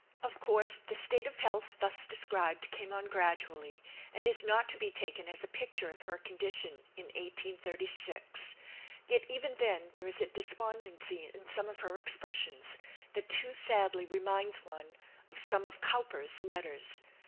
Of course, the state of health thus described came on gradually, and is not to be taken as a picture of her condition in 1836. Yet even then there is a despondency in some of her expressions, that too sadly reminds one of some of Cowper's letters.